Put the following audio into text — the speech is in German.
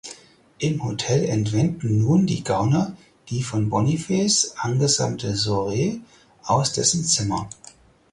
Im Hotel entwenden nun die Gauner die von Boniface angesammelte Sore aus dessen Zimmer.